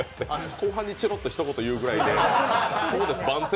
後半にチョロッとひと言言うくらいで。